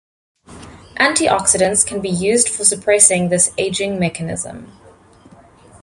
Antioxidants can be used for suppressing this aging mechanism.